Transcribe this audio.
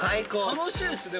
楽しいですね